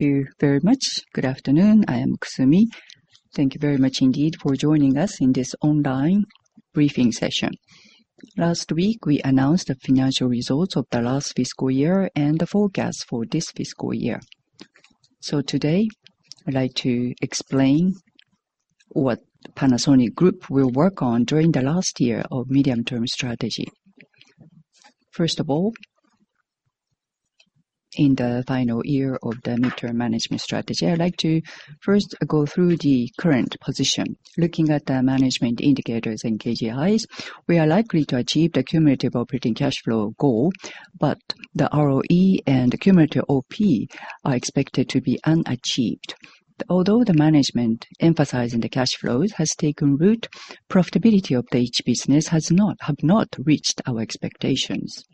Thank you very much. Good afternoon, I am Kusumi. Thank you very much indeed for joining us in this online briefing session. Last week we announced the financial results of the last fiscal year and the forecast for this fiscal year. So today I'd like to explain what Panasonic Group will work on during the last year of medium term strategy. First of all. In the final year of the midterm management strategy, I'd like to first go through the current position. Looking at the management indicators and KGIs. We are likely to achieve the cumulative operating cash flow goal, but the ROE and cumulative OP are expected to be unachieved. Although the management emphasizing the cash flows has taken root, profitability of each business have not reached our expectations.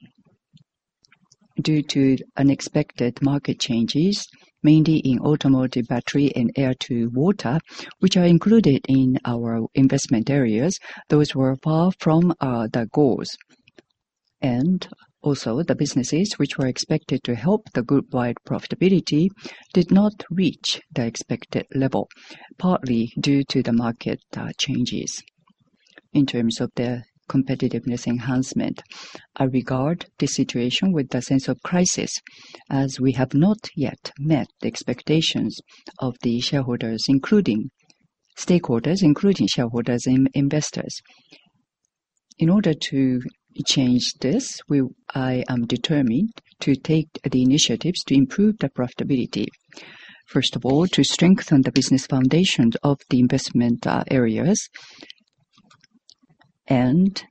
Due to unexpected market changes, mainly in automotive battery and air-to-water, which are included in our investment areas. Those were far from the goals, and also the businesses which were expected to help the group-wide profitability did not reach the expected level partly due to the market changes. In terms of the competitiveness enhancement, I regard this situation with a sense of crisis as we have not yet met the expectations of the shareholders, including stakeholders, including shareholders and investors. In order to change this, I am determined to take the initiatives to improve the profitability. First of all, to strengthen the business foundations of the investment areas. Second, and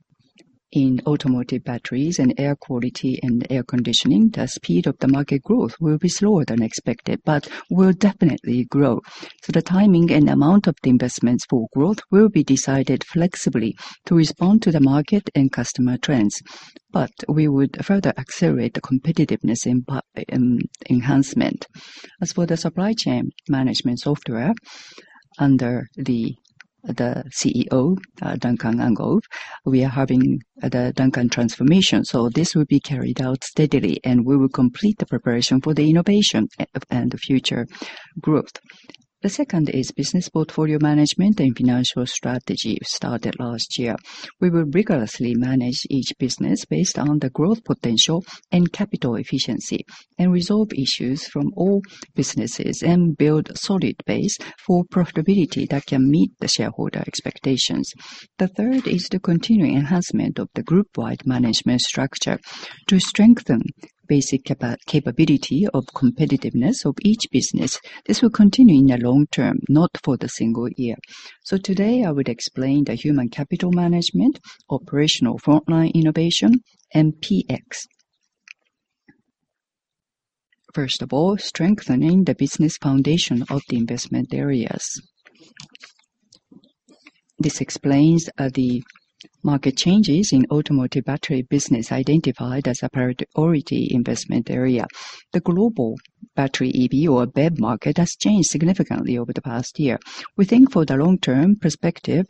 in automotive batteries and air quality and air conditioning, the speed of the market growth will be slower than expected, but will definitely grow. So the timing and amount of the investments for growth will be decided flexibly to respond to the market and customer trends. But we would further accelerate the competitiveness enhancement. As for the supply chain management software, under the CEO Duncan Angove, we are having the DX transformation. So this will be carried out steadily and we will complete the preparation for the innovation and future growth. The second is business portfolio management and financial strategy started last year. We will rigorously manage each business based on the growth potential and capital efficiency and resolve issues from all businesses and build a solid base for profitability that can meet the shareholder expectations. The third is the continuing enhancement of the group-wide management structure to strengthen basic capability of competitiveness of each business. This will continue in the long term, not for the single year. Today I would explain the human capital management, operational frontline innovation and PX. First of all, strengthening the business foundation of the investment areas. This explains the market changes in automotive battery business identified as a priority investment area. The global battery EV or BEV market has changed significantly over the past year. We think for the long term perspective,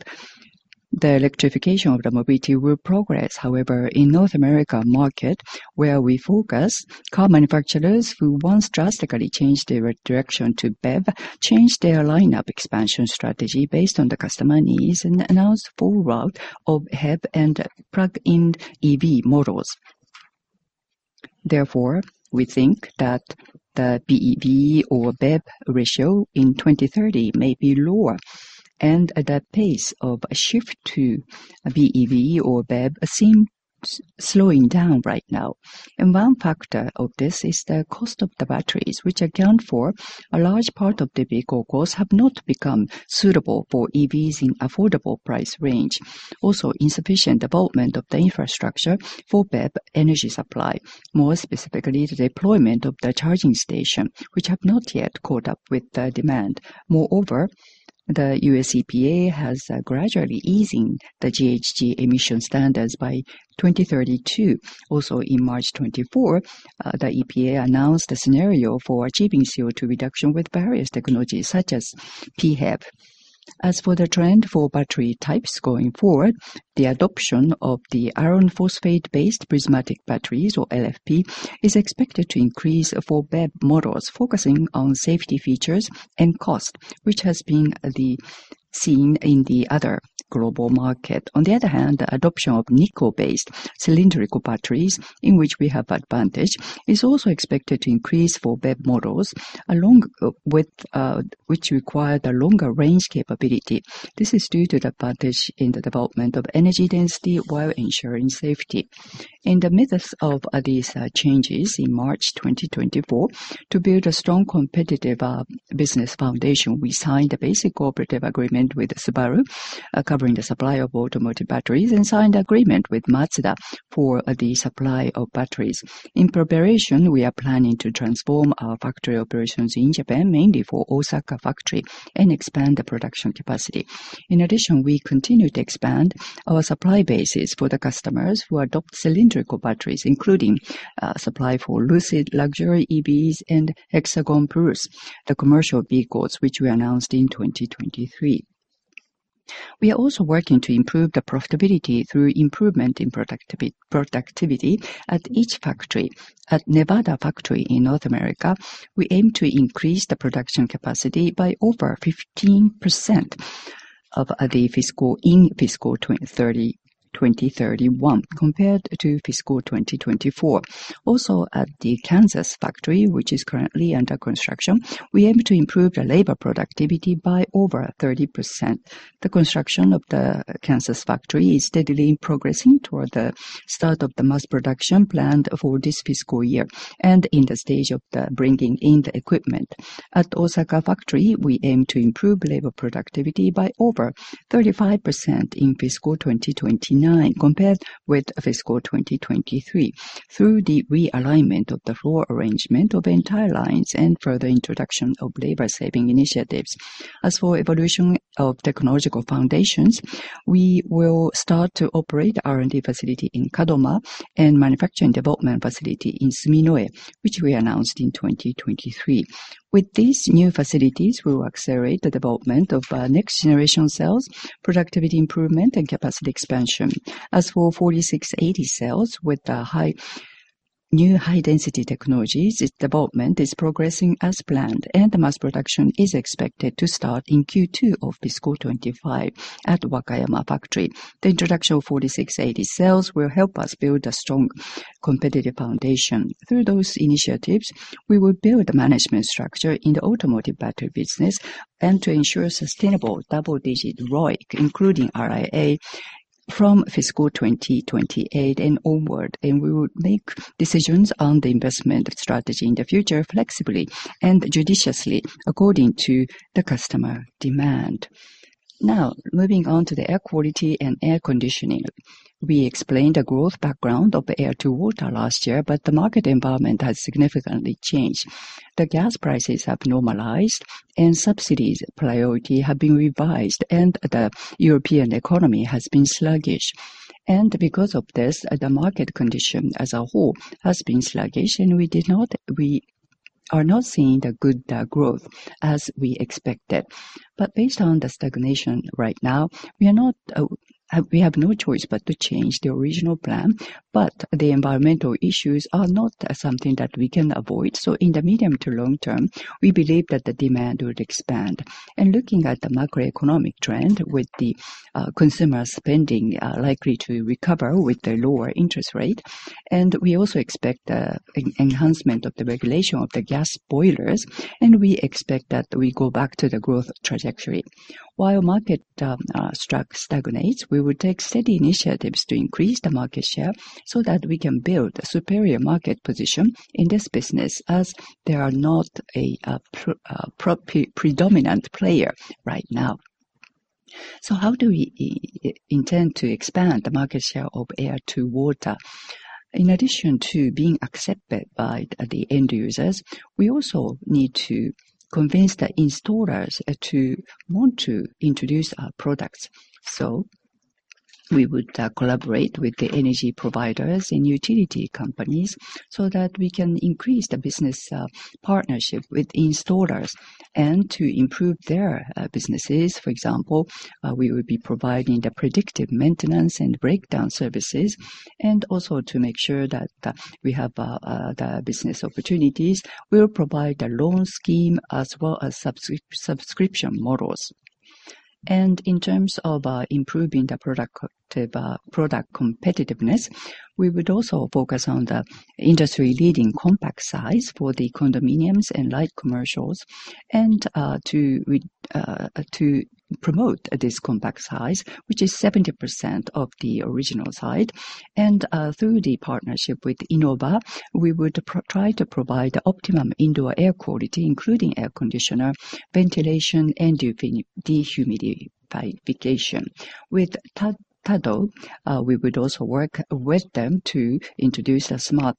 the electrification of the mobility will progress however, in North America market where we focus, car manufacturers who once drastically change their direction to BEV change their lineup expansion strategy based on the customer needs is an announced full roster of HEV and plug-in EV models. Therefore, we think that the BEV ratio in 2030 may be lower and the pace of shift to BEV seems slowing down right now and one factor of this is the cost of the batteries which account for a large part of the vehicle. Costs have not become suitable for EVs in affordable price range. Also insufficient development of the infrastructure for BEV energy supply, more specifically the deployment of the charging stations which have not yet caught up with demand. Moreover, the U.S. EPA has gradually eased the GHG emission standards by 2032. Also in March 24th the EPA announced a scenario for achieving CO2 reduction with various technologies such as PHEV. As for the trend for battery types going forward, the adoption of the iron phosphate based prismatic batteries or LFP is expected to increase for BEV models focusing on safety features and cost, which has been seen in the other global market. On the other hand, the adoption of nickel based cylindrical batteries in which we have advantage is also expected to increase for BEV models. Which require the longer range capability. This is due to the development of energy density while ensuring safety. In the midst of these changes in March 2024, to build a strong competitive business foundation, we signed a basic cooperative agreement with Subaru covering the supply of automotive batteries and signed agreement with Mazda for the supply of batteries. In preparation, we are planning to transform our factory operations in Japan mainly for Osaka factory and expand the production capacity. In addition, we continue to expand our supply basis for the customers who adopt cylindrical batteries including Lucid luxury EVs and hexagon Purus, the commercial vehicles which we announced in 2023. We are also working to improve the profitability through improvement in productivity at each factory. At Nevada factory in North America, we aim to increase the production capacity by over 15% in fiscal 2030-2031 compared to fiscal 2024. Also at the Kansas factory which is currently under construction, we aim to improve the labor productivity by over 30%. The construction of the Kansas factory is steadily progressing toward the start of the mass production plan for this fiscal year and in the stage of bringing in the equipment. At Osaka factory, we aim to improve labor productivity by over 35% in fiscal 2029 compared with FY 2023 through the realignment of the floor arrangement of entire lines and further introduction of labor saving initiatives. As for evolution of technological foundations, we will start to operate R&D facility in Kadoma and manufacturing development facility in Suminoe which we announced in 2023. With these new facilities, we will accelerate the development of next generation cells, productivity improvement and capacity expansion. As for 4680 cells with high-energy, high-density technologies, development is progressing as planned and the mass production is expected to start in Q2 of fiscal 2025 at Wakayama factory. The introduction of 4680 cells will help us build a strong competitive foundation. Through those initiatives, we will build a management structure in the automotive battery business and to ensure sustainable double digit ROIC including IRA from fiscal 2028 and onward and we would make decisions on the investment strategy in the future flexibly and judiciously according to the customer demand. Now moving on to the air quality and air conditioning, we explained the growth background of air-to-water last year, but the market environment has significantly changed. The gas prices have normalized and subsidies priority have been revised and the European economy has been sluggish and because of the market condition as a whole has been sluggish and we are not seeing the good growth as we expected. But based on the stagnation right now we have no choice but to change the original plan. But the environmental issues are not something that we can avoid. So in the medium to long term we believe that the demand would expand and looking at the macroeconomic trend with the consumer spending likely to recover with the lower interest rate and we also expect enhancement of the regulation of the gas boilers and we expect that we go back to the growth trajectory while market stagnates. We will take steady initiatives to increase the market share so that we can build a superior market position in this business as they are not a predominant player right now. So how do we intend to expand the market share of air-to-water? In addition to being accepted by the end users, we also need to convince the installers to want to introduce our products. So we would collaborate with the energy providers and utility companies so that we can increase the business partnership with installers and to improve their businesses. For example, we will be providing the predictive maintenance and breakdown services, and also, to make sure that we have the business opportunities, we will provide loan scheme as well as subscription models, and in terms of improving the product competitiveness, we would also focus on the industry-leading compact size for the condominiums and light commercials and. To promote this compact size which is 70% of the original size and through the partnership with Innova, we would try to provide optimum indoor air quality including air conditioner, ventilation and dehumidification. With tado°, we would also work with them to introduce a smart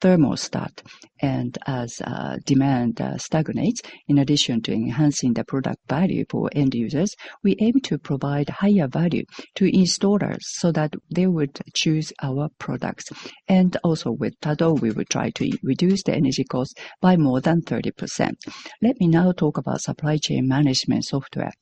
thermostat and as demand stagnates, in addition to enhancing the product value for end users, we aim to provide higher value to installers so that they would choose our products and also with tado°, we will try to reduce the energy cost by more than 30%. Let me now talk about supply chain management software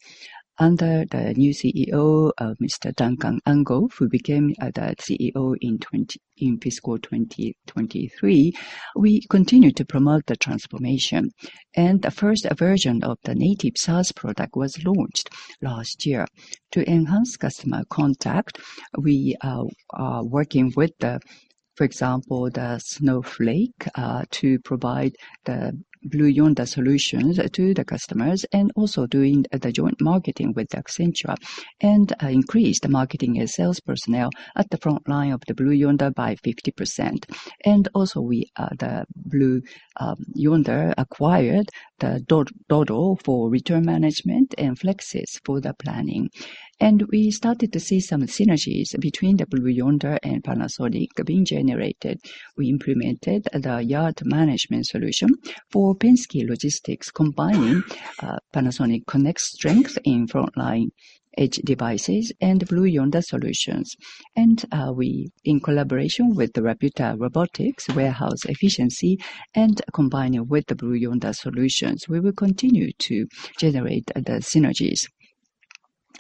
under the new CEO of Mr. Duncan Angove who became the CEO in fiscal 2023. We continue to promote the transformation and the first version of the native SaaS product was launched last year to enhance customer contact. We are working with, for example, the Snowflake to provide the Blue Yonder solutions to the customers and also doing the joint marketing with Accenture and increased marketing and sales personnel at the front line of the Blue Yonder by 50% and also the Blue Yonder acquired the Doddle for return management and Flexis for the planning and we started to see some synergies between the Blue Yonder and Panasonic being generated. We implemented the Yard Management Solution for Penske Logistics combining Panasonic Connect, strength in frontline edge devices and Blue Yonder solutions and we in collaboration with Rapyuta Robotics, warehouse efficiency and combining with the Blue Yonder solutions, we will continue to generate the synergies.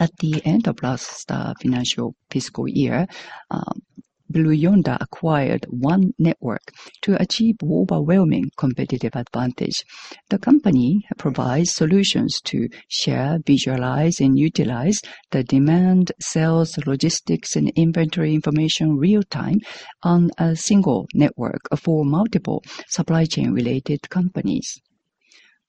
At the end of last financial fiscal year, Blue Yonder acquired One Network to achieve overwhelming competitive advantage. The company provides solutions to share, visualize and utilize the demand, sales, logistics and inventory information real time on a single network for multiple supply chain related companies.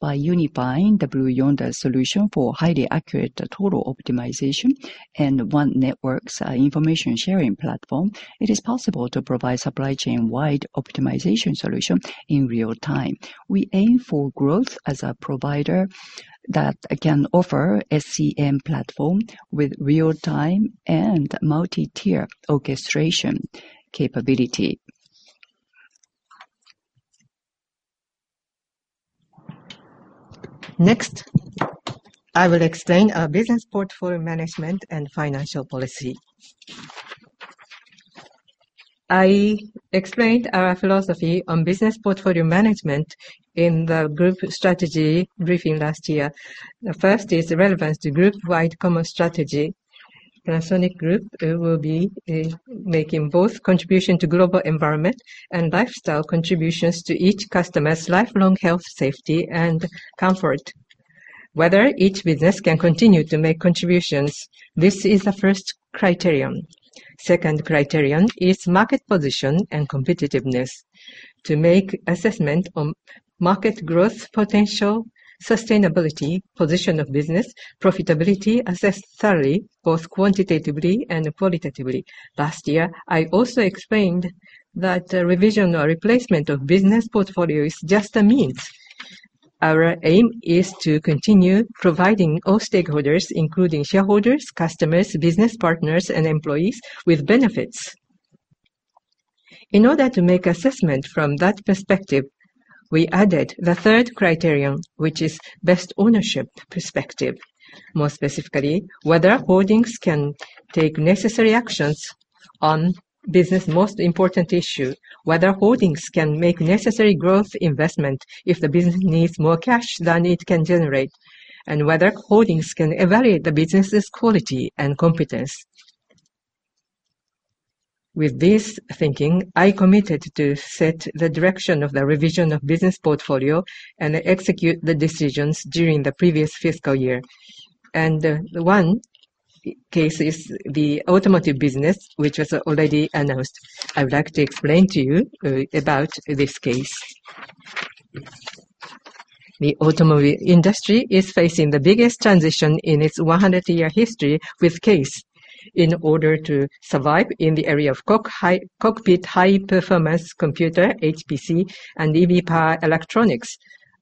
By unifying the Blue Yonder solution for highly accurate total optimization and One Network's information sharing platform, it is possible to provide supply chain wide optimization solution in real time. We aim for growth as a provider that can offer SCM platform with real time and multi tier orchestration capability. Next I will explain our business portfolio management and financial policy. I explained our philosophy on business portfolio management in the group strategy briefing last year. The first is the relevance to group-wide commerce strategy. Panasonic Group will be making both contributions to global environment and lifestyle contributions to each customer's lifelong health, safety and comfort whether each business can continue to make contributions. This is the first criterion. Second criterion is market position and competitiveness to make assessment on market growth, potential, sustainability, position of business, profitability, access, scalability both quantitatively and qualitatively. Last year I also explained that revision or replacement of business portfolio is just a means. Our aim is to continue providing all stakeholders including shareholders, customers, business partners and employees with benefits. In order to make assessment from that perspective, we added the third criterion which is best ownership perspective. More specifically, whether holdings can take necessary actions on business. Most important issue, whether holdings can make necessary growth investment if the business needs more cash than it can generate and whether holdings can evaluate the business's quality and competence. With this thinking, I committed to set the direction of the revision of business portfolio and execute the decisions during the previous fiscal year, and one case is the automotive business which was already announced. I would like to explain to you about this case. The automobile industry is facing the biggest transition in its 100-year history with CASE. In order to survive in the area of cockpit high-performance computer, HPC and EV power electronics,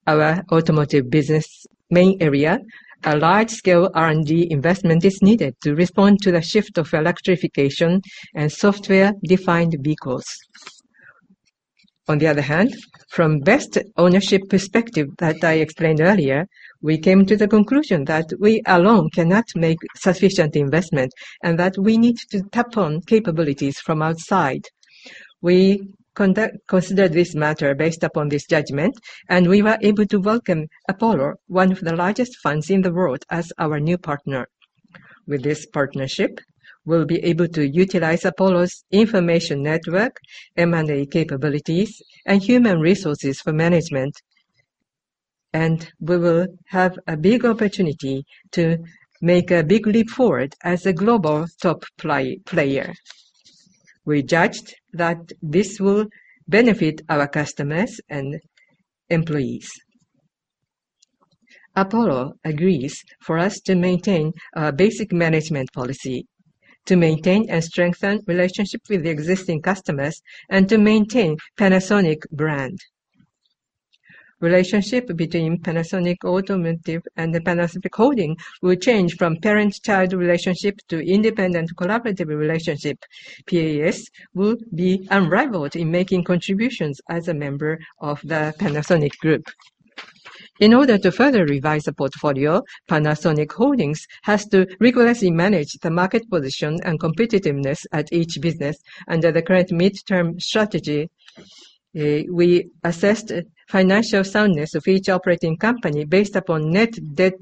our automotive business main area, a large-scale R&D investment is needed to respond to the shift of electrification and software-defined vehicles. On the other hand, from best ownership perspective that I explained earlier, we came to the conclusion that we alone cannot make sufficient investment and that we need to tap on capabilities from outside. We considered this matter based upon this judgment and we were able to welcome Apollo, one of the largest funds in the world, as our new partner. With this partnership, we'll be able to utilize Apollo's information network, M&A capabilities and human resources for management. We will have a big opportunity to make a big leap forward as a global top player. We judged that this will benefit our customers and employees. Apollo agrees for us to maintain a basic management policy, to maintain and strengthen relationships with the existing customers, and to maintain Panasonic brand. Relationship between Panasonic Automotive and Panasonic Holdings will change from parent child relationship to independent PAS will be unrivaled in making contributions as a member of the Panasonic Group. In order to further revise the portfolio, Panasonic Holdings has to rigorously manage the market position and competitiveness at each business. Under the current midterm strategy, we assessed financial soundness of each operating company based upon net debt,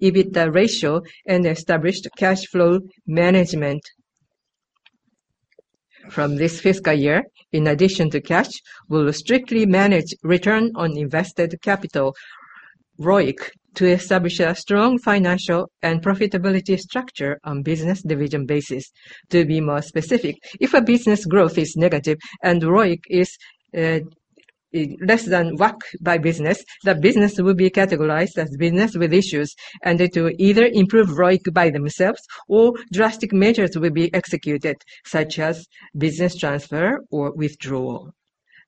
EBITDA ratio and established cash flows management. From this fiscal year. In addition to cash, we will strictly manage return on invested capital ROIC to establish a strong financial and profitability structure on business division basis. To be more specific, if a business growth is negative and ROIC is less than WACC by business, the business will be categorized as business with issues and to either improve ROIC by themselves or drastic measures will be executed such as business transfer or withdrawal.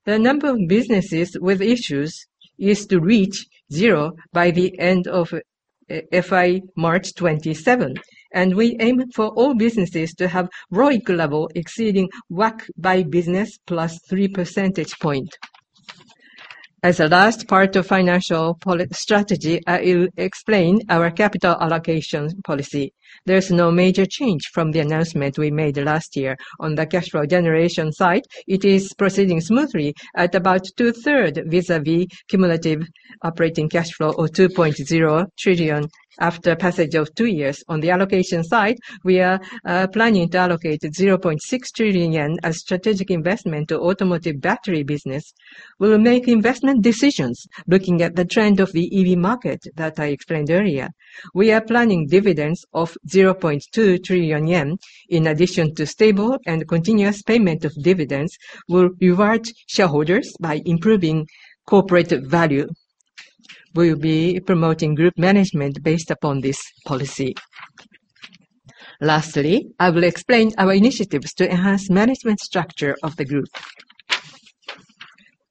The number of businesses with issues is to reach zero by the end of FY March 2027 and we aim for all businesses to have ROIC level exceeding WACC by business +3 percentage points. As a last part of financial strategy, I explain our capital allocation policy. There's no major change from the announcement we made last year. On the cash flow generation side, it is proceeding smoothly at about 2/3 vis-à-vis cumulative operating cash flow or 2.0 trillion after passage of two years. On the allocation side, we are planning to allocate 0.6 trillion yen as strategic investment to automotive battery business. We will make investment decisions, looking at the trend of the EV market that I explained earlier. We are planning dividends of 0.2 trillion yen in addition to stable and continuous payment of dividends. This will reward shareholders by improving corporate value. We will be promoting group management based upon this policy. Lastly, I will explain our initiatives to enhance management structure of the group.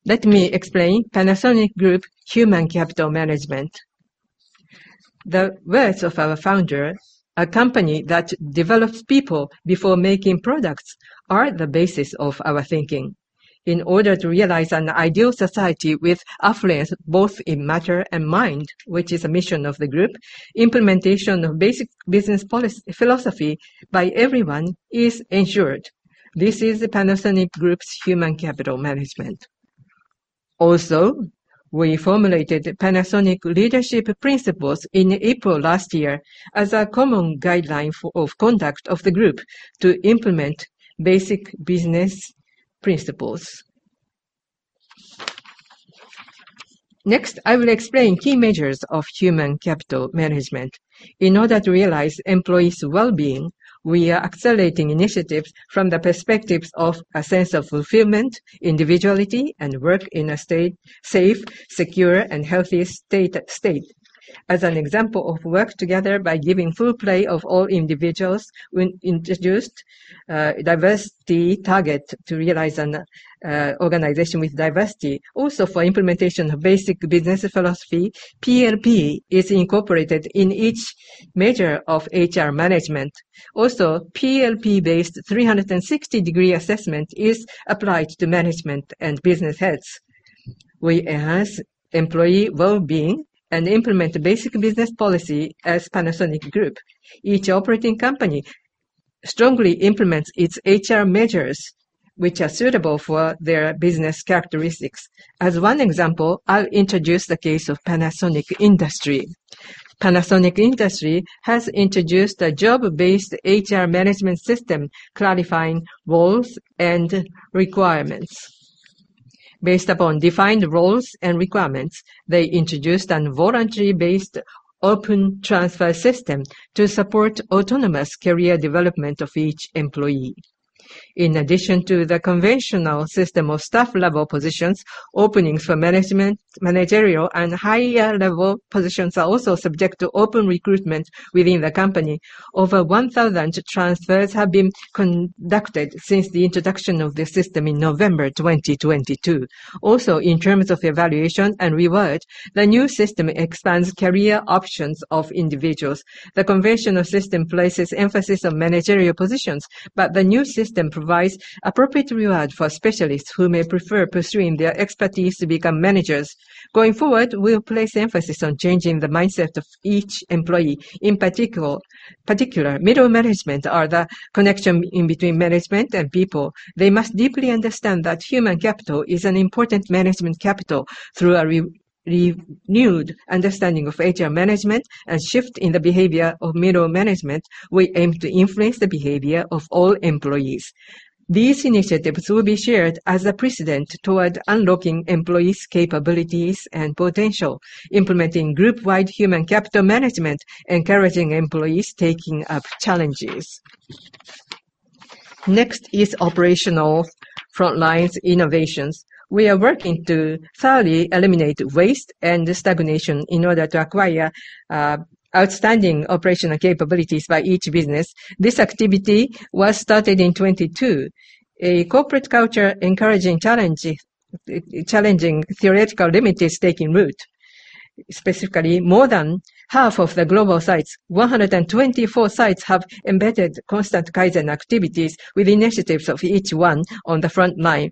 Let me explain Panasonic Group Human Capital Management. The words of our founder, a company that develops people before making products, are the basis of our thinking in order to realize an ideal society with affluence both in matter and mind, which is a mission of the group. Implementation of basic business philosophy by everyone is ensured. This is Panasonic Group's human capital management. Also, we formulated Panasonic Leadership Principles in April last year as a common guideline of conduct of the group to implement basic business principles. Next, I will explain key measures of human capital management in order to realize employees' well-being. We are accelerating initiatives from the perspectives of a sense of fulfillment, individuality, and work in a safe, secure, and healthy state as an example of work together by giving full play of all individuals with introduced diversity target to realize an organization with diversity. Also, for implementation of basic business philosophy, PLP is incorporated in each measure of HR management. Also, PLP-based 360-degree assessment is applied to management and business heads. We enhance employee well-being and implement basic business policy as Panasonic Group. Each operating company strongly implements its HR measures which are suitable for their business characteristics. As one example, I'll introduce the case of Panasonic Industry. Panasonic Industry has introduced a job-based HR management system clarifying roles and requirements based upon defined roles and requirements. They introduced a voluntary-based open transfer system to support autonomous career development of each employee. In addition to the conventional system of staff-level positions, openings for management, managerial, and higher-level positions are also subject to open recruitment within the company. Over 1,000 transfers have been conducted since the introduction of the system in November 2022. Also in terms of evaluation and reward, the new system expands career options of individual. The conventional system places emphasis on managerial positions, but the new system provides appropriate reward for specialists who may prefer pursuing their expertise to become managers. Going forward, we will place emphasis on changing the mindset of each employee. In particular, middle management are the connection between management and people. They must deeply understand that human capital is an important management capital. Through a reward, renewed understanding of HR management and shift in the behavior of middle management, we aim to influence the behavior of all employees. These initiatives will be shared as a precedent toward unlocking employees' capabilities and potential, implementing group-wide human capital management, encouraging employees taking up challenges. Next is operational frontline innovations. We are working to thoroughly eliminate waste and stagnation in order to acquire outstanding operational capabilities by each business. This activity was started in 2022. A corporate culture encouraging challenging theoretical limits is taking root. Specifically, more than half of the global sites, 124 sites, have embedded constant Kaizen activities with initiatives of each one on the front line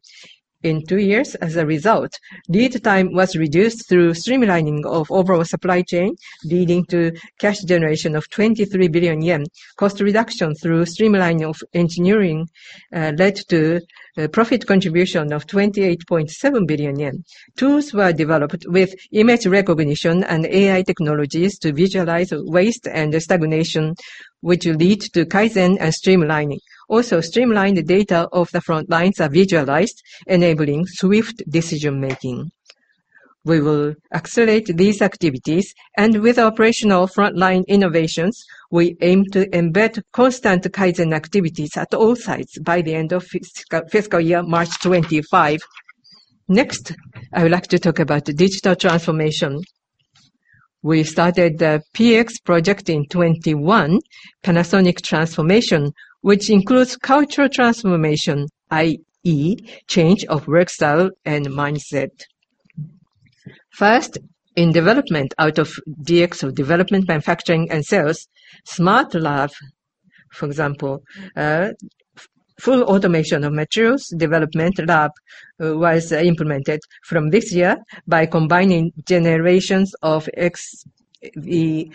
in two years. As a result, lead time was reduced through streamlining of overall supply chain leading to cash generation of 23 billion yen. Cost reduction through streamlining of engineering led to profit contribution of 28.7 billion yen. Tools were developed with image recognition and AI technologies to visualize waste and stagnation which lead to Kaizen and streamlining. Also, streamlined data of the front lines are visualized enabling swift decision making. We will accelerate these activities and with operational frontline innovations. We aim to embed constant Kaizen activities at all sites by the end of fiscal year March 25th. Next, I would like to talk about digital transformation. We started the PX project in 2021 Panasonic Transformation which includes cultural transformation that is change of work style and mindset. First in development out of DXO development, manufacturing and sales smart lab for example full automation of materials development lab was implemented from this year by combining generations of. Experimental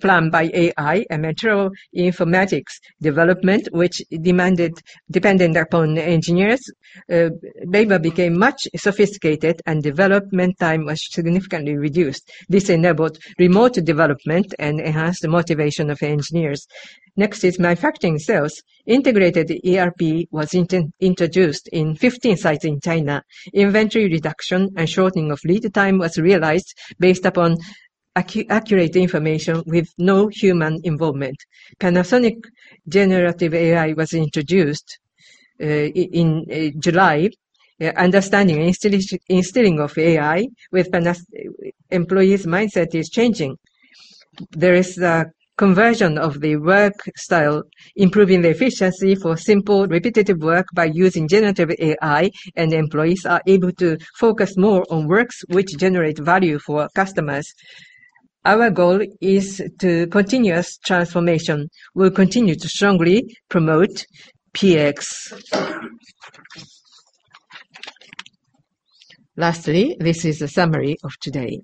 plan by AI and Material Informatics development which had been dependent upon engineers. R&D became much more sophisticated and development time was significantly reduced. This enabled remote development and enhanced the motivation of engineers. Next is manufacturing sales. Integrated ERP was introduced in 15 sites in China. Inventory reduction and shortening of lead time was realized based upon accurate information with no human involvement. Panasonic generative AI was introduced in July. The understanding and instilling of AI with employees' mindset is changing. There is a conversion of the work style improving the efficiency for simple repetitive work by using generative AI and employees are able to focus more on works which generate value for customers. Our goal is continuous transformation. We'll continue to strongly promote PX. Lastly, this is a summary today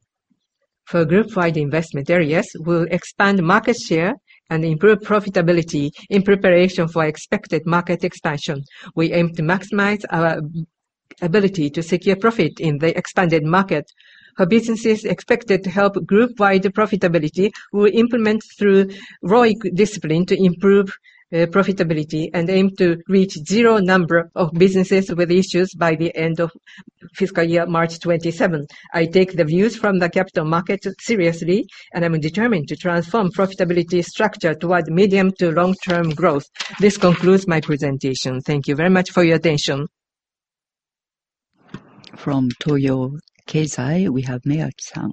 for group-wide investment areas. We will expand market share and improve profitability in preparation for expected market expansion. We aim to maximize our ability to secure profit in the expanded market. Our business is expected to help group-wide profitability. We will implement through ROIC discipline to improve profitability and aim to reach zero number of businesses with issues by the end of fiscal year March 2027. I take the views from the capital market seriously and I'm determined to transform profitability structure toward medium- to long-term growth. This concludes my presentation. Thank you very much for your attention. From Toyo Keizai, we have Mamineki-san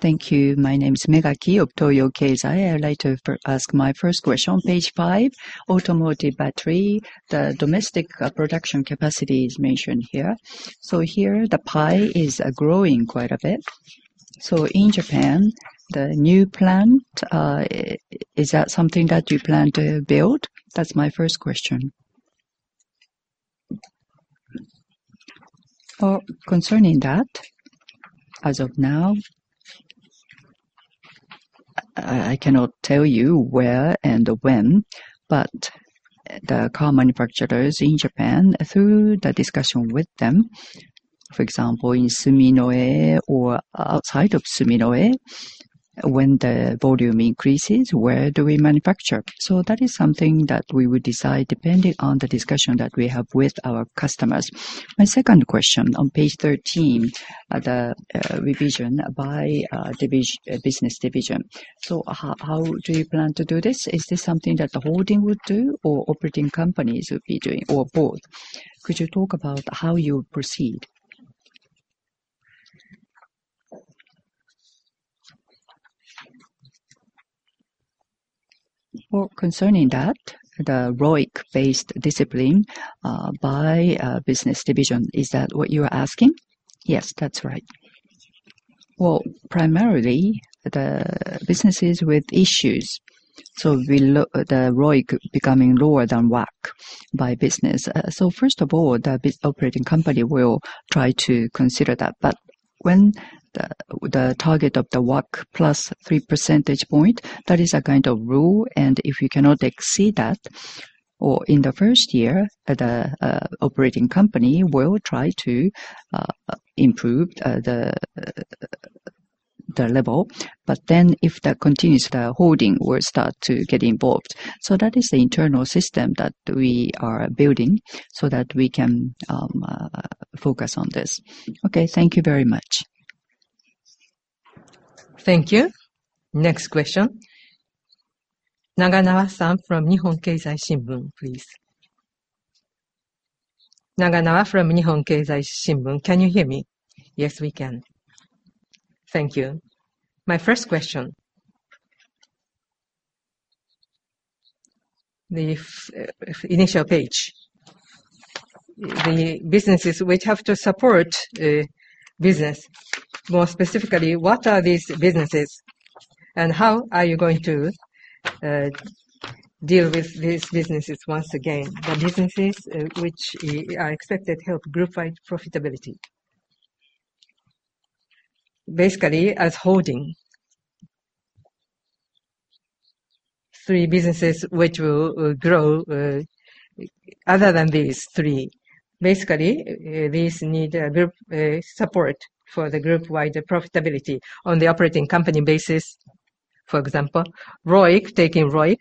Thank you. My name is Mamineki of Toyo Keizai. I'd like to ask my first question. Page 5, Automotive Battery, the domestic production capacity is mentioned here. So here the pie is growing quite a bit. So in Japan, the new plant, is that something that you plan to build? That's my first question. Concerning that. As of now. I cannot tell you where and when but the car manufacturers in Japan, through the discussion with them, for example, in Suminoe or outside of Suminoe, when the volume increases, where do we manufacture? So that is something that we would decide depending on the discussion that we have with our customers. My second question on page 13, the revision by business division. So how do you plan to do this? Is this something that the holding would do or operating companies would be doing? Or both? Could you talk about how you proceed? Well, concerning that, the ROIC-based discipline by business division. Is that what you are asking? Yes, that's right. Well, primarily the businesses with issues so the ROIC becoming lower than WACC by business. So first of all, the operating company will try to consider that. But when the target of the ROIC plus 3 percentage points that is a kind of rule and if you cannot exceed that or in the first year, the operating company will try to improve the. Level, but then if that continues, the holding will start to get involved. So that is the internal system that we are building so that we can focus on this. Okay, thank you very much. Thank you. Next question. Nakano-san from Nihon Keizai Shimbun please. Nakano-san from Nihon Keizai Shimbun can you hear me? Yes we can My first question. The initial page. The businesses which have to support business. More specifically, what are these businesses and how are you going to. Deal with these businesses? Once again, the businesses which are expected help group-wide profitability. Basically as holding. Three businesses which will grow. Other than these three. Basically these need group support for the group-wide profitability on the operating company basis. For example, ROIC targeting ROIC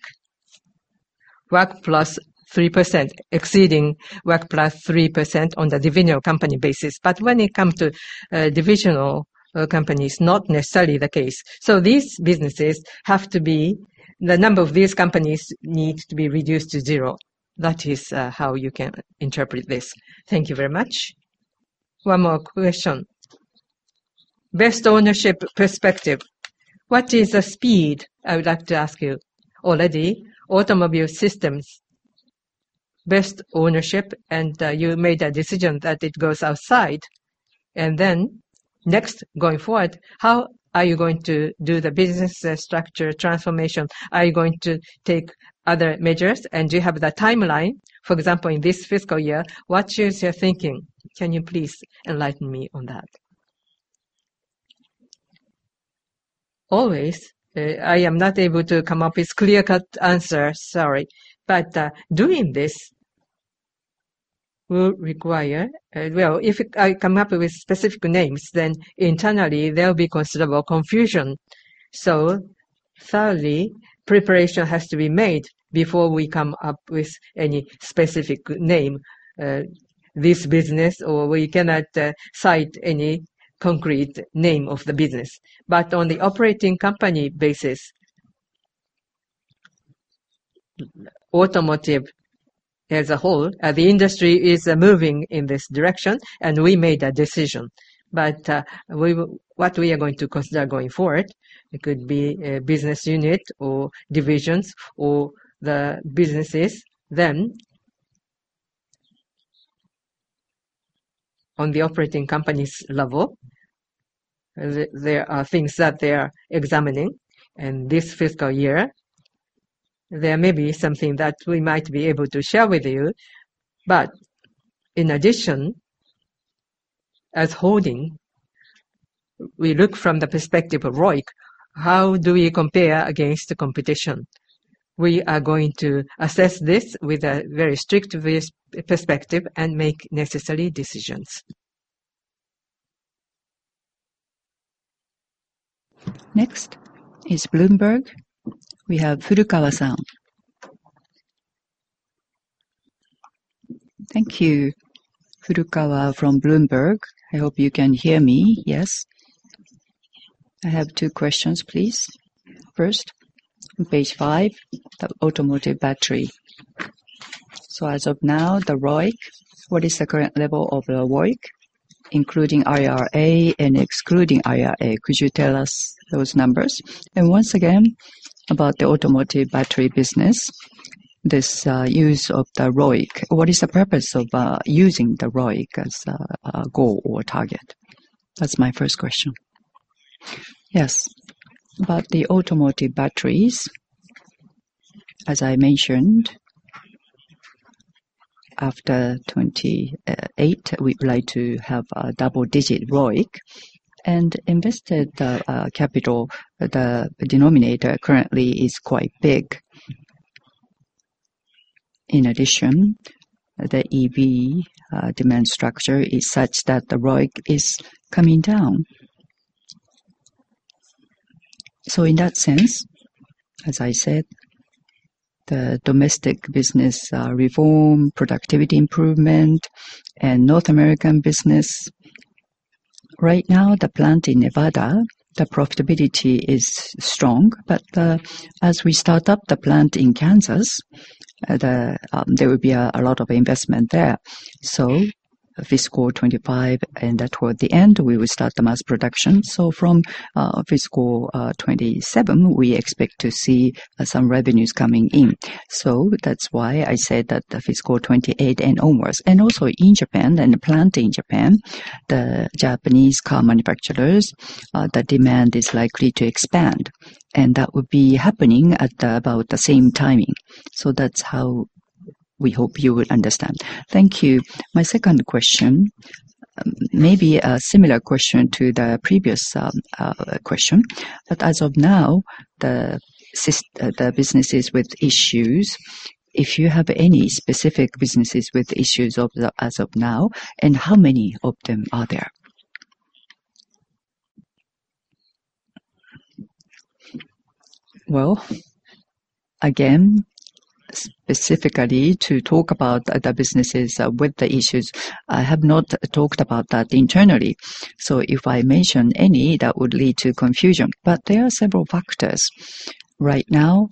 WACC plus 3% exceeding WACC plus 3% on the divisional company basis. But when it comes to divisional companies, not necessarily the case. So these businesses have to be. The number of these companies needs to be reduced to zero. That is how you can interpret this. Thank you very much. One more question. Best ownership perspective. What is the speed? I would like to ask you already Automotive Systems best ownership and you made a decision that it goes outside and then next going forward, how. How are you going to do the business structure transformation? Are you going to take other measures? And do you have the timeline? For example, in this fiscal year, what is your thinking? Can you please enlighten me on that? Always, I am not able to come up with a clear-cut answer. Sorry, but doing this. will require. Well, if I come up with specific names then internally there will be considerable confusion. So thirdly, preparation has to be made before we come up with any specific name. This business or we cannot cite any concrete name of the business. But on the operating company basis. Automotive as a whole, the industry is moving in this direction and we made a decision. But what we are going to consider going forward, it could be business unit or divisions or the businesses. Then. On the operating companies level. There are things that they are examining and this fiscal year there may be something that we might be able to share with you. But in addition. As holding we look from the perspective of ROIC. How do we compare against the competition? We are going to assess this with a very strict perspective and make necessary decisions. Next is Bloomberg. We have Furukawa san. Thank you. Furukawa from Bloomberg. I hope you can hear me. Yes, I have two questions, please. First, page five. The automotive battery. So as of now, the ROIC. What is the current level of ROIC including IRA and excluding IRA? Could you tell us those numbers? And once again about the automotive battery business, this use of the ROIC. What is the purpose of using the ROIC as goal or target? That's my first question. Yes, about the automotive batteries. As I mentioned. After 28 we'd like to have a double-digit ROIC on invested capital. The denominator currently is quite big. In addition, the EV demand structure is such that the ROIC is coming down. So in that sense, as I said, the domestic business reform, productivity improvement and North American business. Right now, the plant in Nevada, the profitability is strong. But as we start up the plant in Kansas, there will be a lot of investment there. So fiscal 2025 and toward the end we will start the mass production. So from fiscal 2027 we expect to see some revenues coming in. So that's why I said that the fiscal 2028 and almost and also in Japan and plant in Japan, the Japanese car manufacturing, the demand is likely to expand and that would be happening at about the same timing. So that's how we hope you will understand. Thank you. My second question may be a similar question to the previous question. But as of now. The businesses with issues. If you have any specific businesses with issues as of now, and how many of them are there? Again, specifically to talk about the businesses with the issues, I have not talked about that internally. So if I mention any, that would lead to confusion. But there are several factors right now.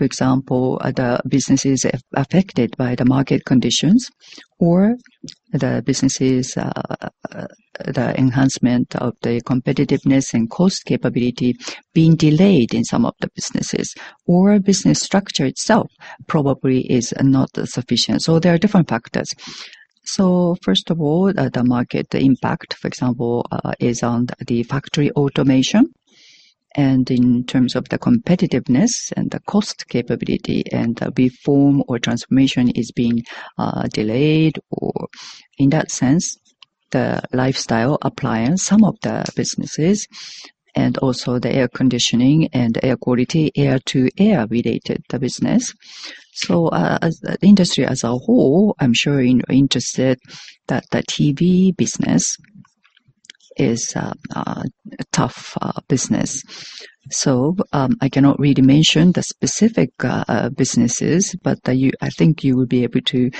For example, the business is affected by the market conditions or the businesses. The enhancement of the competitiveness and cost capability being delayed in some of the businesses or business structure itself probably is not sufficient. So there are different factors. So first of all, the market impact, for example, is on the factory automation and in terms of the competitiveness and the cost capability and reform or transformation is being delayed. Or in that sense, the lifestyle appliance, some of the businesses and also the air conditioning and air quality, air-to-air related business. So as industry as a whole, I'm sure interested that the TV business is a tough business. I cannot really mention the specific businesses, but I think you will be able to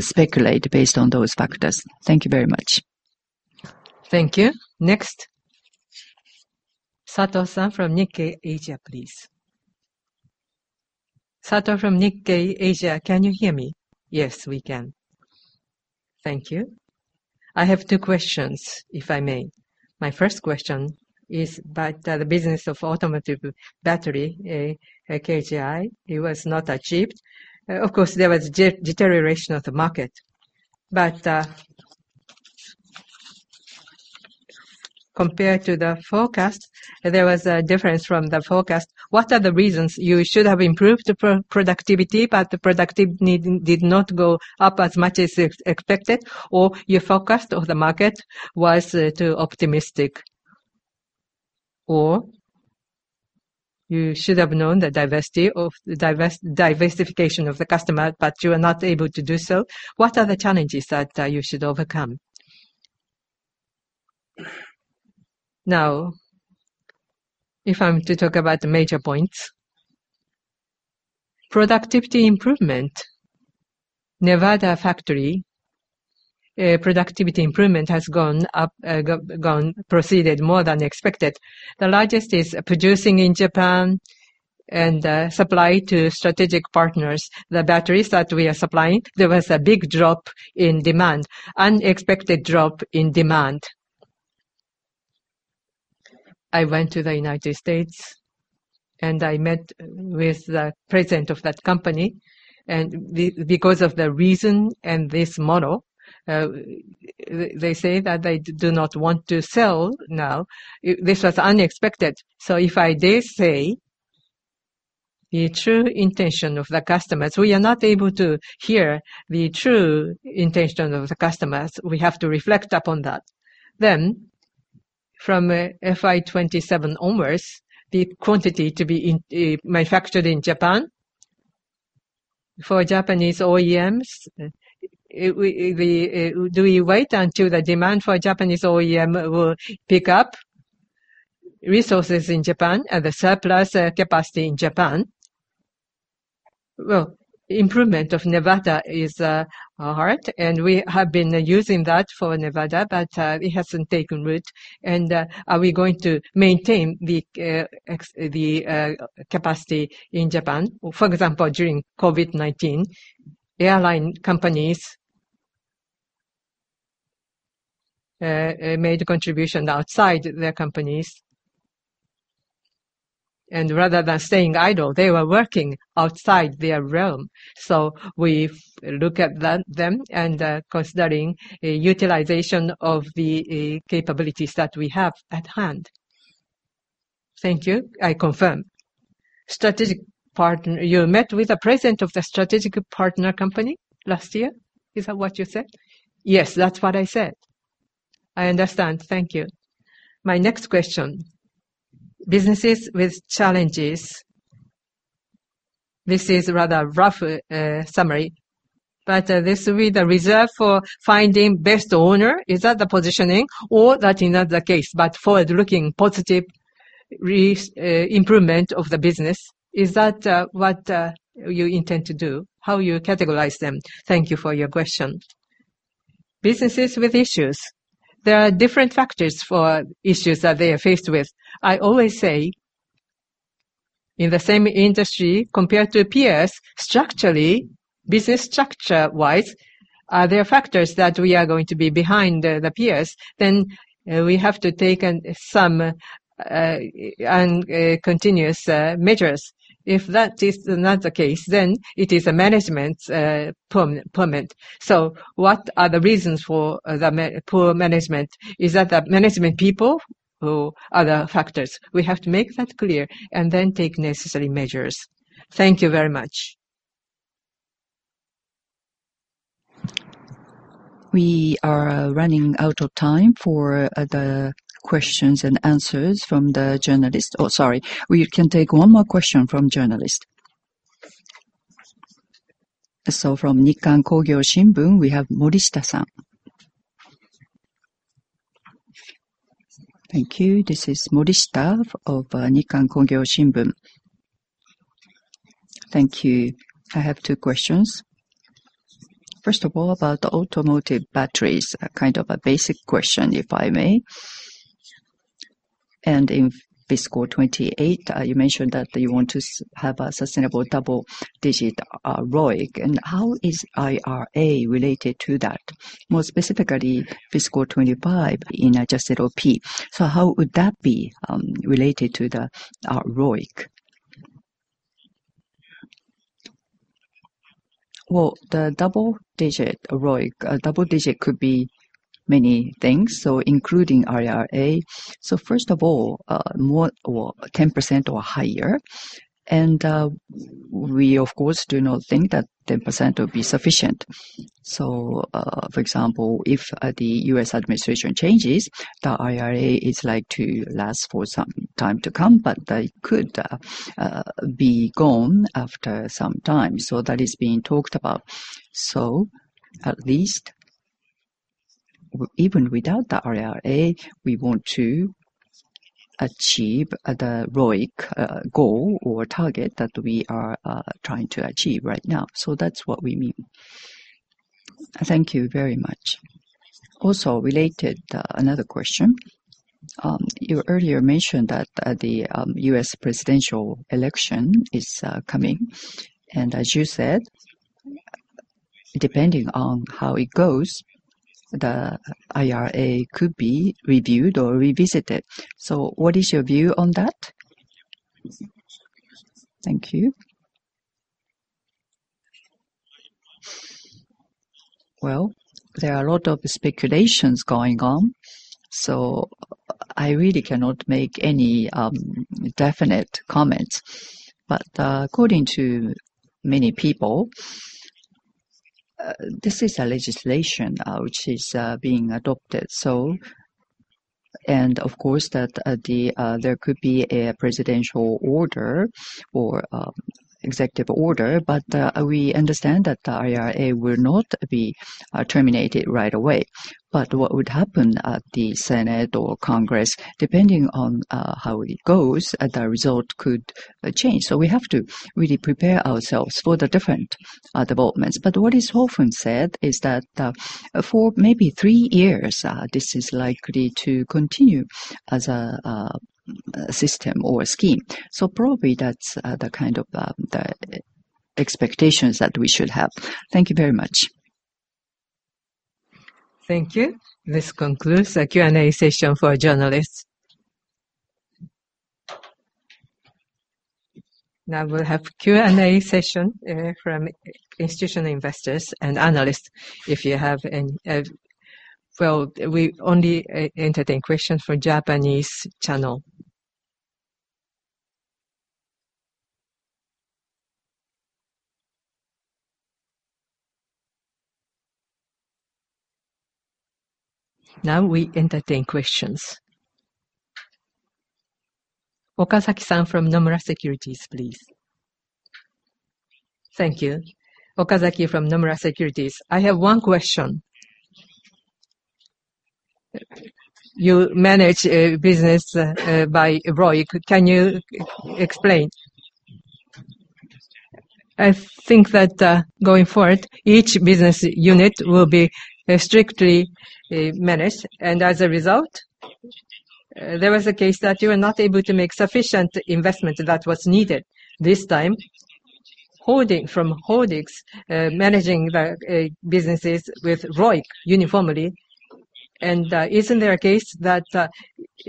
speculate based on those factors, U.S. Thank you very much. Thank you. Next. Sato-san from Nikkei Asia, please. Sato from Nikkei Asia, can you hear me? Yes, we can. Thank you. I have two questions, if I may. My first question is about the business of automotive battery. He was not achieved. Of course, there was deterioration of the market, but. Compared to the forecast, there was a difference from the forecast. What are the reasons you should have improved productivity, but the productivity did not go up as much as expected, or your forecast of the market was too optimistic? Or. You should have known the diversity of the diversification of the customer, but you are not able to do so. What are the challenges that you should overcome? Now, if I'm to talk about the major points. Productivity improvement. Nevada factory productivity improvement has gone up, proceeded more than expected. The largest is producing in Japan and supply to strategic partners the batteries that we are supplying. There was a big drop in demand, unexpected drop in demand. I went to the United States and I met with the president of that company. And because of the reason and this model, they say that they do not want to sell. Now, this was unexpected. So if I dare say the true intention of the customers, we are not able to hear the true intention of the customers. We have to reflect upon that. Then from FY27 onwards the quantity to be manufactured in Japan. For Japanese OEMs. Do we wait until the demand for Japanese OEM will pick up? Resources in Japan and the surplus capacity in Japan? Improvement of Nevada is hard and we have been using that for Nevada but it hasn't taken root. Are we going to maintain the. Capacity in Japan? For example, during COVID-19, airline companies. Made contribution outside their companies. Rather than staying idle, they were working outside their realm. We look at them and considering utilization of the capabilities that we have at hand. Thank you. I confirm. You met with the president of the strategic partner company last year. Is that what you said? Yes, that's what I said. I understand. Thank you. My next question, Businesses with challenges. This is rather rough summary but this will be the reserve for finding best owner. Is that the positioning or that is not the case but forward looking positive. Improvement of the business. Is that what you intend to do? How you categorize them? Thank you for your question. Businesses with issues, there are different factors for issues that they are faced with. I always say in the same industry compared to peers structurally, business structure-wise there are factors that we are going to be behind the peers. Then we have to take some. And continuous measures. If that is not the case, then it is a management permit. So what are the reasons for the poor management? Is that the management people who are the factors? We have to make that clear and then take necessary measures. Thank you very much. We are running out of time for the questions and answers from the journalists. Oh, sorry. We can take one more question from journalist. So from Nikkan Kogyo Shimbun we have Morishita-san. Thank you. This is Morishita of Nikkan Kogyo Shimbun. Thank you. I have two questions. First of all about the automotive batteries. Kind of a basic question if I may. In fiscal 2028, you mentioned that you want to have a sustainable double-digit ROIC. How is IRA related to that? More specifically, fiscal 2025 in adjusted op. How would that be related to the ROIC? The double-digit could be many things, including IRA. First of all, 10% or higher, and we of course do not think that 10% will be sufficient. For example, if the U.S. administration changes, the IRA is likely to last for some time to come, but they could be gone after some time. That is being talked about. At least. Even without the IRA, we want to achieve the ROIC goal or target that we are trying to achieve right now, so that's what we mean. Thank you very much. Also related, another question. You earlier mentioned that the U.S. Presidential election is coming and as you said. Depending on how it goes, the IRA could be reviewed or revisited. So what is your view on that? Thank you. There are a lot of speculations going on so I really cannot make any definite comments. But according to many people. This is a legislation which is being adopted. Of course that there could be a presidential order or executive order. We understand that the IRA will not be terminated right away. What would happen at the Senate or Congress, depending on how it goes, the result could change. We have to really prepare ourselves for the different developments. What is often said is that for maybe three years this is likely to continue as a system or scheme. Probably that's the kind of expectations that we should have. Thank you very much. Thank you. This concludes the Q and A session for journalist. Now we'll have Q&A session from institutional investors and analysts, if you have any. We only entertain questions for Japanese channel. Now we entertain questions. Okazaki San from Nomura Securities, please. Thank you. Okazaki from Nomura Securities. I have one question. You manage business by ROI. Can you explain? I think that going forward each business unit will be strictly managed and as a result there was a case that you are not able to make sufficient investment that was needed this time. The holding, managing the businesses with ROIC uniformly and isn't there a case that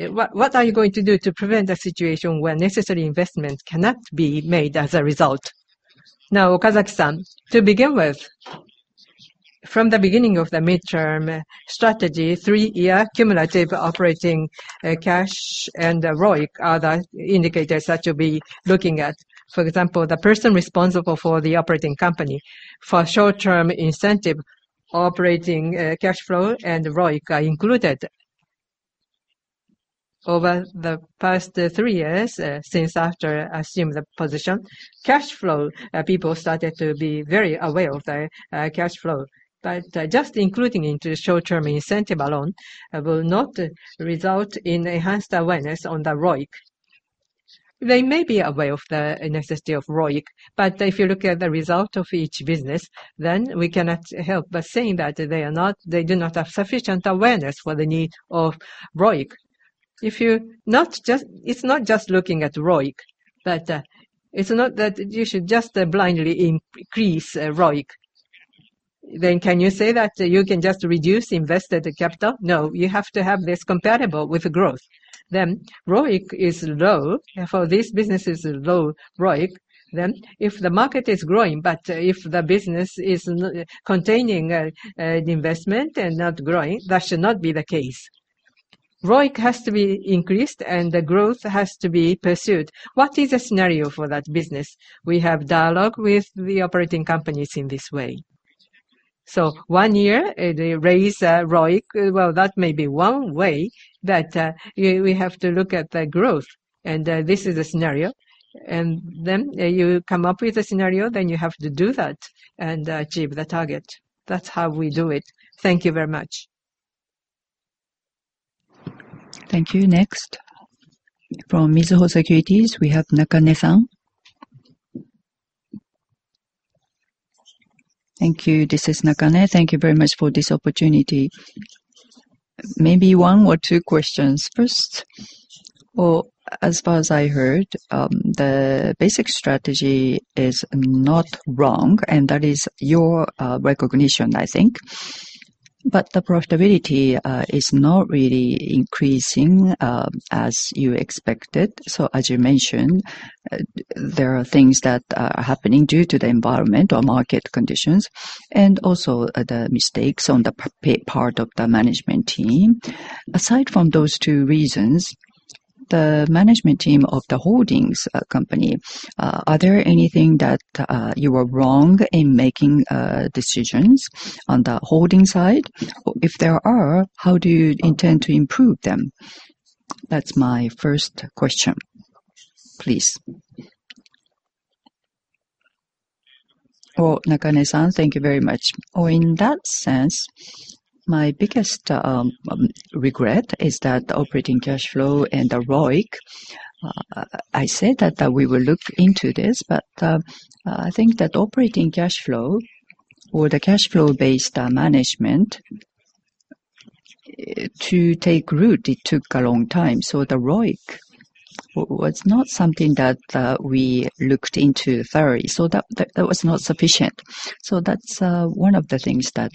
what are you going to do to prevent a situation where necessary investments cannot be made as a result? Now Okazaki San to begin with, from the beginning of the midterm strategy, three-year cumulative operating cash and ROIC are the indicators that you'll be looking at. For example, the person responsible for the operating company for short-term incentive, operating cash flow and ROIC are included. Over the past three years, since after assuming the position, cash flow people started to be very aware of the cash flow. But just including into short term incentive alone will not result in enhanced awareness on the ROIC. They may be aware of the necessity of ROIC, but if you look at the result of each business then we cannot help but saying that they do not have sufficient awareness for the need of ROIC. It's not just looking at ROI, but it's not that you should just blindly increase ROIC. Then can you say that you can just reduce invested capital? No, you have to have this comparable with growth. Then ROIC is low for this business. It's low ROIC. Then if the market is growing. But if the business is containing an investment and not growing, that should not be the case. ROIC has to be increased and the growth has to be pursued. What is the scenario for that business? We have dialogue with the operating companies in this way. So one year they raise ROIC. Well, that may be one way that we have to look at the growth. And this is a scenario and then you come up with a scenario. Then you have to do that and achieve the target. That's how we do it. Thank you very much. Thank you. Next, from Mizuho Securities we have Nakane San. Thank you. This is Nakane. Thank you very much for this opportunity. Maybe one or two questions first. As far as I heard, the basic strategy is not wrong, and that is your recognition, I think. But the profitability is not really increasing as you expected. So as you mentioned, there are things that are happening due to the environment or market conditions and also the mistakes on the part of the management team. Aside from those two reasons, the management team of the holdings company. Are there anything that you were wrong in making decisions on the holding side? If there are, how do you intend to improve them? That's my first question. Please. Thank you very much. In that sense, my biggest regret is that operating cash flow and the ROIC. I said that we will look into this, but I think that operating cash flow or the cash flow based management. To take root, it took a long time. So the ROIC was not something that we looked into thoroughly. So that was not sufficient. So that's one of the things that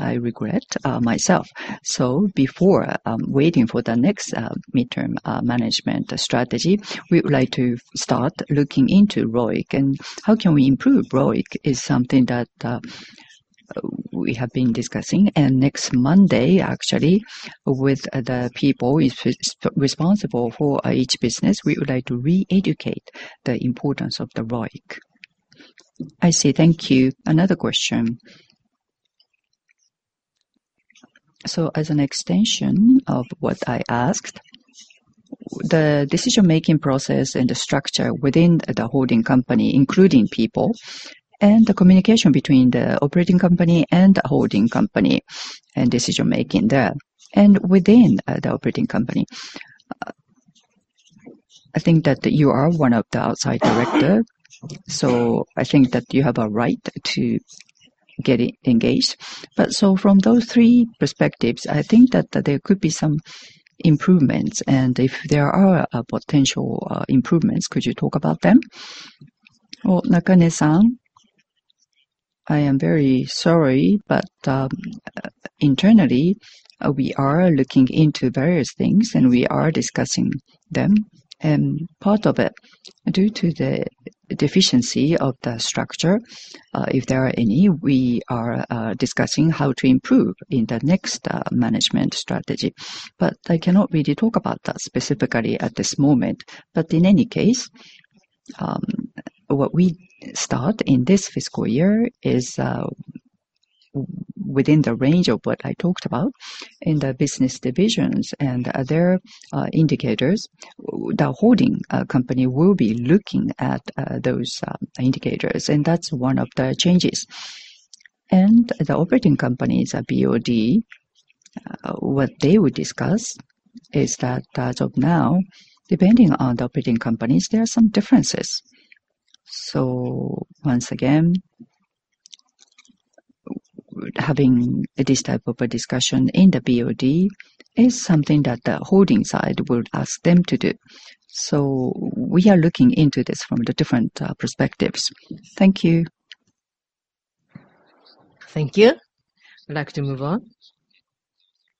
I regret myself. So before waiting for the next midterm management strategy, we would like to start looking into ROIC and how can we improve ROIC is something that. We have been discussing and next Monday actually with the people responsible for each business, we would like to re-educate the importance of the ROIC. I see, thank you. Another question. As an extension of what I asked, the decision making process and the structure within the holding company, including people and the communication between the operating company and the holding company and decision making there and within the operating company? I think that you are one of the outside directors, so I think that you have a right to get engaged. But, so from those three perspectives, I think that there could be some improvements, and if there are potential improvements, could you talk about them? I am very sorry, but internally we are looking into various things and we are discussing them and part of it due to the deficiency of the structure, if there are any, we are discussing how to improve in the next management strategy. But I cannot really talk about that specifically at this moment but in any case. What we start in this fiscal year is. Within the range of what I talked about in the business divisions and other indicators. The holding company will be looking at those indicators and that's one of the changes and the operating companies but what they would discuss is that as of now, depending on the operating companies, there are some differences. So once again. Having this type of a discussion in the BOD is something that the holding side would ask them to do. So we are looking into this from the different perspectives. Thank you. Thank you. Thank you. I'd like to move on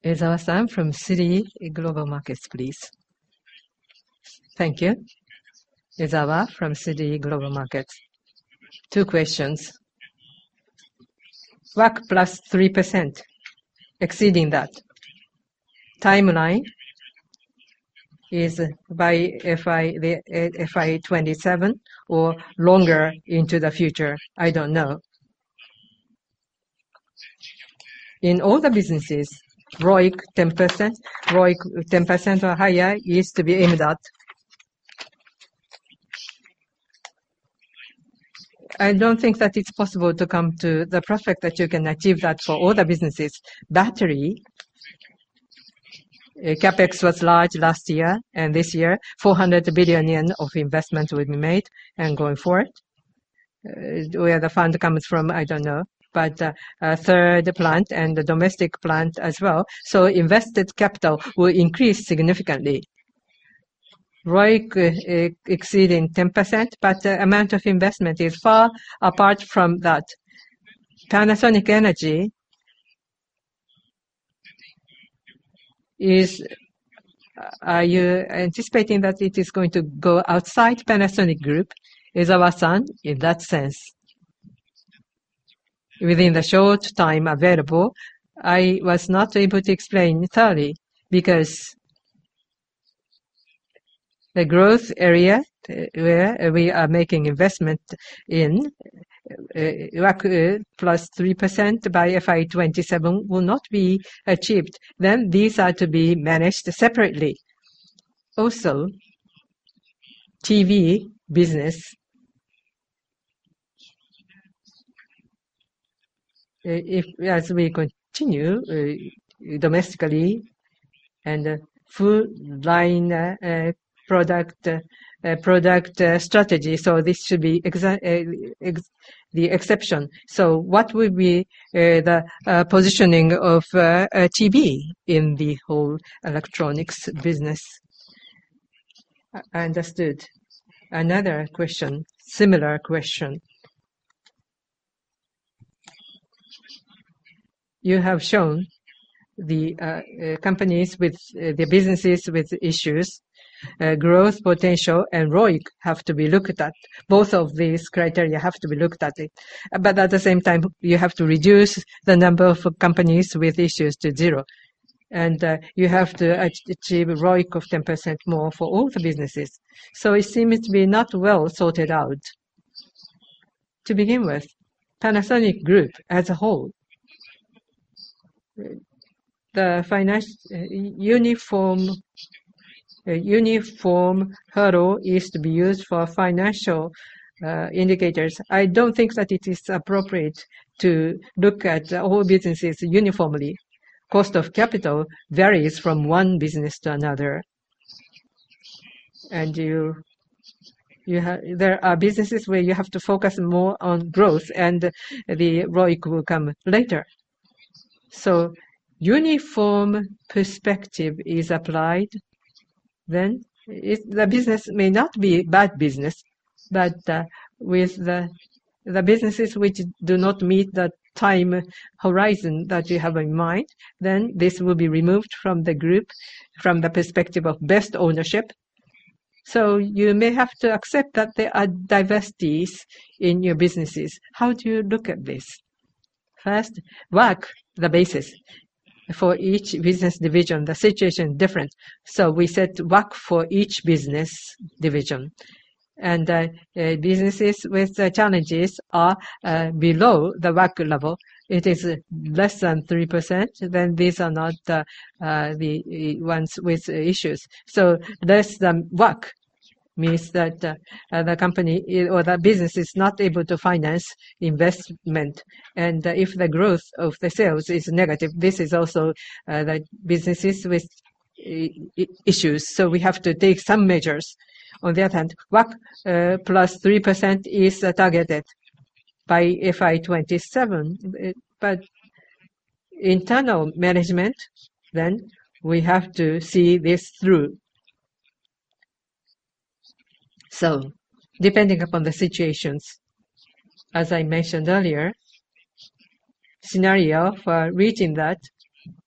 to Ezawa-san from Citigroup Global Markets, please. Thank you, Ezawa from Citigroup Global Markets. Two questions. WACC plus 3% exceeding that timeline. FY 2027 or longer into the future, I don't know, no. In all the businesses, ROIC 10% or higher is to be aimed at. I don't think that it's possible to come to the profit that you can achieve for all the businesses battery. CapEx was large last year and this year 400 billion yen of investment will be made and going forward where the fund comes from I don't know but third plant and the domestic plant as well so invested capital will increase significantly ROIC exceeding 10% but the amount of investment is far apart from that Panasonic Energy. Are you anticipating that it is going to go outside Panasonic Group, Aizawa-san, in that sense? Within the short time available, I was not able to explain thoroughly because. The growth area where we are making investment in. +3% by FY27 will not be achieved. Then these are to be managed separately. Separately also. TV business. As we continue domestically and full line. Product strategy, so this should be the exception, so what would be the positioning of TV in the whole electronics business? Understood. Another question. Similar question. You have shown the companies with the businesses with issues, growth potential and ROIC have to be looked at. Both of these criteria have to be looked at, but at the same time you have to reduce the number of companies with issues to zero and you have to achieve ROIC of 10% more for all the businesses, so it seems to be not well sorted out to begin with Panasonic Group as a whole. The. Uniform hurdle is to be used for financial indicators. I don't think that it is appropriate to look at all businesses uniformly. Cost of capital varies from one business to another. And. There are businesses where you have to focus more on growth and the ROIC will come later. So a uniform perspective is applied. Then the business may not be a bad business. But with the businesses which do not meet the time horizon that you have in mind, then this will be removed from the group from the perspective of best ownership. So you may have to accept that there are diversities in your businesses. How do you look at this? First, WACC is the basis for each business division. The situation is different. So we set WACC for each business division and businesses with challenges are below the WACC level. It is less than 3%. Then these are not the ones with issues. So less than WACC means that the company or the business is not able to finance investment. If the growth of the sales is negative, this is also that businesses with issues so we have to take some measures. On the other hand, WACC plus 3% is targeted by FY27, but internal management, then we have to see this through. So depending upon the situations, as I mentioned earlier. Scenario for reaching that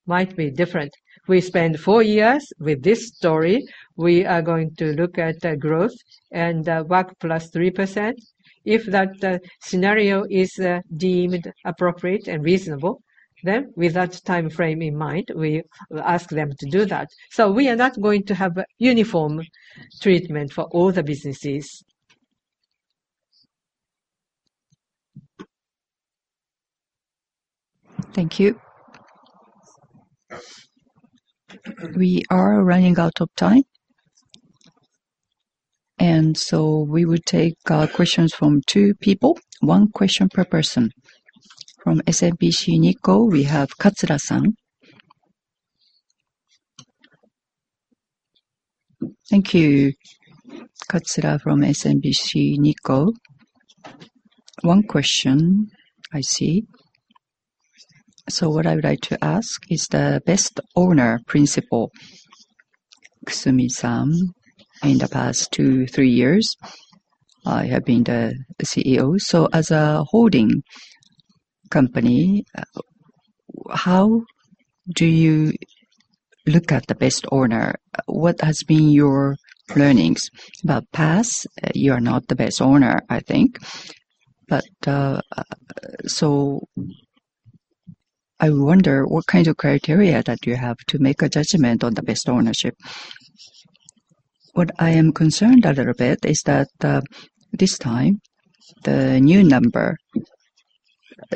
might be different. We spend four years with this story, we are going to look at growth and WACC plus 3%. If that scenario is deemed appropriate and reasonable, then with that time frame in mind, we ask them to do that. So we are not going to have uniform treatment for all the businesses. Thank you. We are running out of time. And so we will take questions from two people, one question per person. From SMBC Nikko, we have Katsura san. Thank you. Katsura from SMBC Nikko, one question. I see. So, what I would like to ask is President Kusumi-san. In the past two, three years, I have been the CEO, so as a holding company. How do you look at the best owner? What has been your learnings about past? You are not the best owner? I think. So. I wonder what kind of criteria that you have to make a judgment on the best ownership? What I am concerned a little bit is that this time the new number.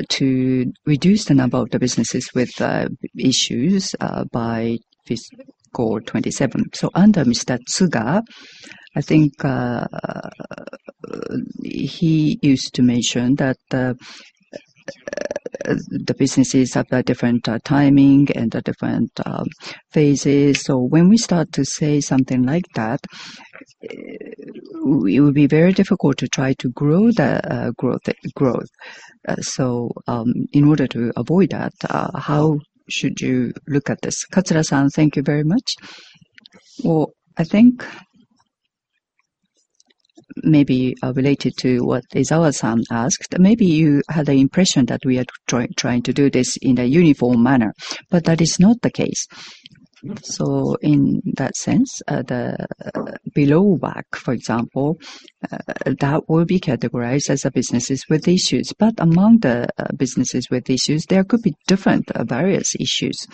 To reduce the number of the businesses with issues by fiscal 2027, so under Mr. Tsuga, I think. He used to mention that. The businesses have different timing and different phases. So when we start to say something like that. It would be very difficult to try to grow the growth. So in order to avoid that, how should you look at this? Katsura san, thank you very much. Well, I think. Maybe related to what Ezawa-san asked, maybe you had the impression that we are trying to do this in a uniform manner. But that is not the case. So in that sense, the below-WACC for example, that will be categorized as businesses with issues. But among the businesses with issues, there could be different various issues.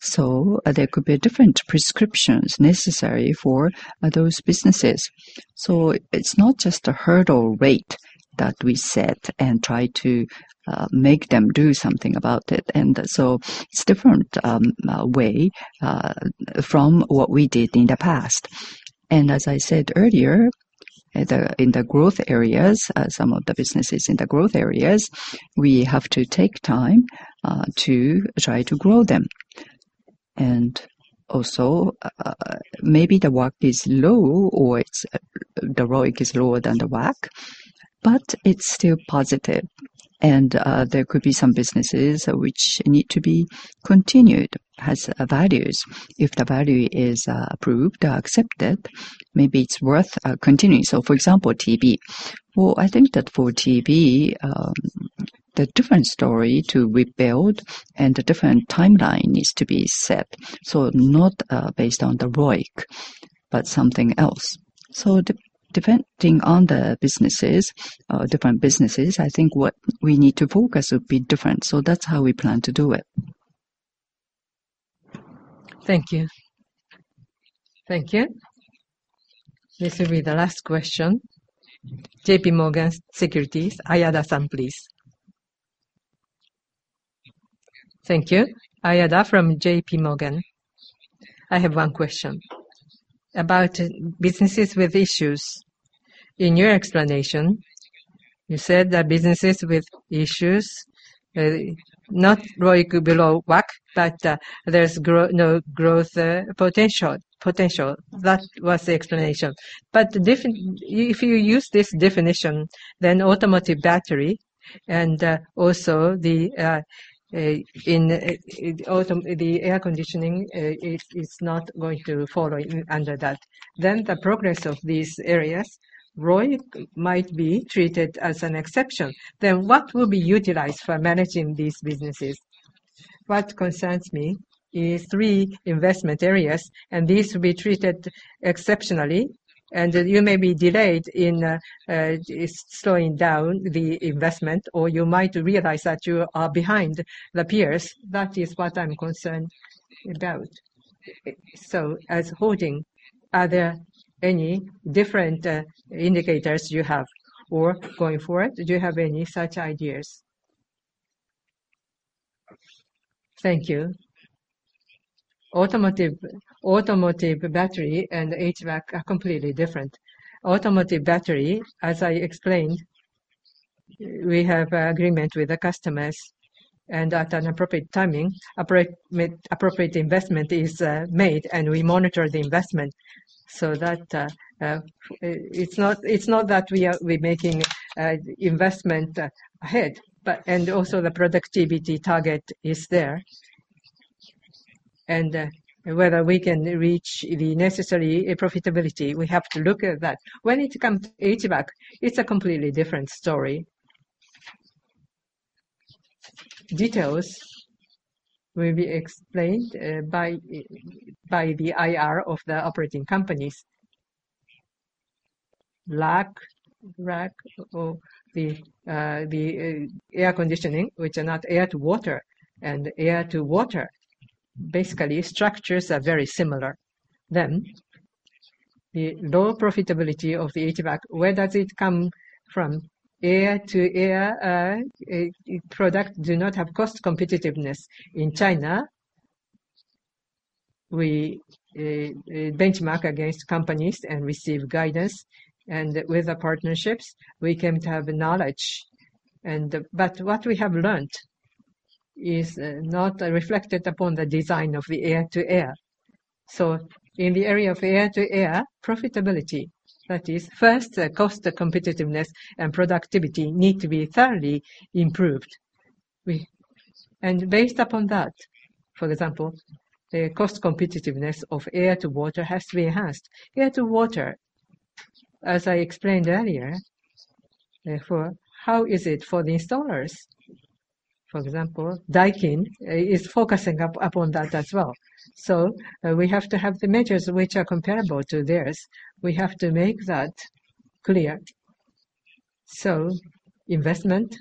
So there could be different prescriptions necessary for those businesses. So it's not just a hurdle rate that we set and try to make them do something about it. And so it's different way from what we did in the past. And as I said earlier in the growth areas, some of the businesses in the growth areas we have to take time to try to grow them. And also maybe the WACC is low or the ROIC is lower than the WACC, but it's still positive. There could be some businesses which need to be continued has values. If the value is approved, accepted, maybe it's worth continuing. For example, TV. I think that for TV the different story to rebuild and the different timeline needs to be set. Not based on the ROIC but something else. Depending on the businesses, different businesses, I think what we need to focus would be different. That's how we plan to do it. Thank you. Thank you. This will be the last question. J.P. Morgan Securities, Ayada-san, please. Thank you. Ayada from J.P. Morgan. I have one question about businesses with issues. In your explanation you said that businesses with issues. Not ROIC go below WACC but there's no growth potential. That was the explanation. But if you use this definition then automotive battery and also in the air conditioning is not going to fall under that. Then the progress of these areas' ROIC might be treated as an exception. Then what will be utilized for managing these businesses? What concerns me is three investment areas and these will be treated exceptionally and you may delay or slow down the investment or you might realize that you are behind the peers. That is what I'm concerned about. So as holding, are there any different indicators you have or going forward, do you have any such ideas? Thank you. Automotive battery and HVAC are completely different. Automotive battery, as I explained, we have agreement with the customers and at an appropriate time, timing appropriate investment is made and we monitor the investment so that. It's not that we are making investment ahead, and also the productivity target is there. Whether we can reach the necessary profitability, we have to look at that. When it comes to HVAC, it's a completely different story. Details will be explained. By the IR of the operating companies. Lac. The air conditioners which are not air-to-water and air-to-water basically structures are very similar. The low profitability of the A2W AC. Where does it come from? Air-to-air products do not have cost competitiveness in China. We benchmark against companies and receive guidance and, with the partnerships we came to, have knowledge. But what we have learned is not reflected upon the design of the air-to-air. So in the area of air-to-air, air profitability, that is, first, cost competitiveness and productivity need to be thoroughly improved. And based upon that, for example, the cost competitiveness of air-to-water has to be enhanced. Air-to-water, as I explained earlier, therefore, how is it for the installers? For example, Daikin is focusing upon that as well. So we have to have the measures which are comparable to theirs. We have to make that clear. So investment,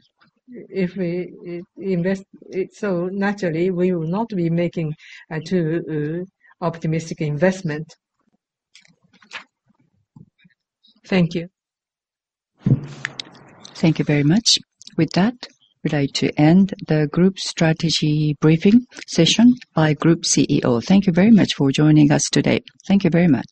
if we invest it so naturally, we will not be making too optimistic investment. Thank you. Thank you very much. With that, we'd like to end the Group Strategy Briefing session by Group CEO. Thank you very much for joining us today. Thank you very much.